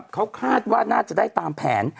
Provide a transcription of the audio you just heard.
เขาคาดว่าน่าจะได้ตามแผน